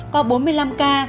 có bốn mươi năm ca